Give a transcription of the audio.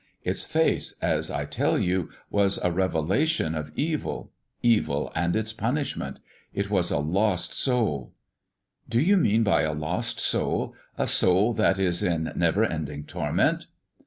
Its face, as I tell you, was a revelation of evil evil and its punishment. It was a lost soul." "Do you mean by a lost soul, a soul that is in never ending torment?"